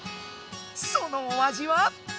そのお味は？